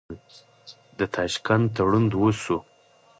د تاشکند تړون وشو.